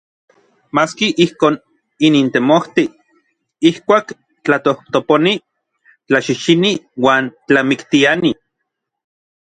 Maski ijkon, inin temojti. Ijkuak tlatojtoponi, tlaxixini uan tlamiktiani.